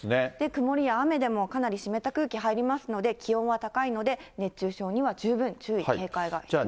曇りや雨でもかなり湿った空気入りますので、気温は高いので、熱中症には十分注意、警戒が必要です。